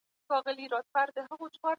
که ته مطالعه وکړې په حقایقو به خبر سې.